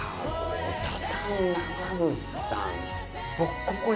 小田さん長渕さん